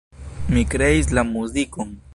Mi kreis la muzikon.